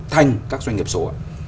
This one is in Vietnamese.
thành các doanh nghiệp số